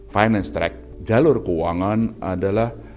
finance track jalur keuangan adalah